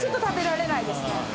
食べられないですね。